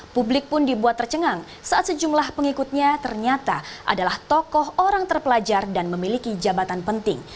publik pun dibuat tercengang saat sejumlah pengikutnya ternyata adalah tokoh orang terpelajar dan memiliki jabatan penting